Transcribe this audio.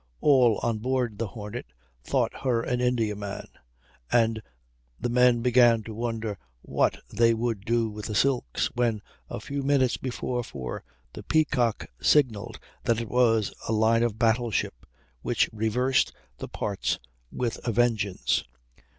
All on board the Hornet thought her an Indiaman, and "the men began to wonder what they would do with the silks," when, a few minutes before four, the Peacock signalled that it was a line of battle ship, which reversed the parts with a vengeance.